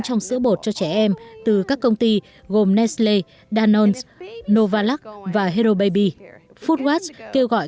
trong sữa bột cho trẻ em từ các công ty gồm nestle danone novalac và herobaby foodwatch kêu gọi